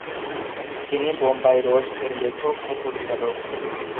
তিনি "বোম্বাই রোজ" -এর লেখক ও পরিচালক।